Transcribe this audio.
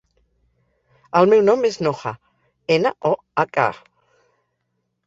El meu nom és Noha: ena, o, hac, a.